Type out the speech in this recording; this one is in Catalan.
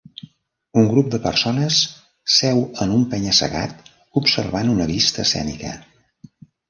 Un grup de persones seu en un penya-segat observant una vista escènica.